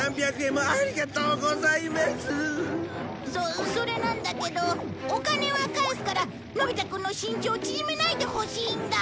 そそれなんだけどお金は返すからのび太くんの身長を縮めないでほしいんだ。